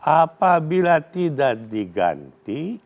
apabila tidak diganti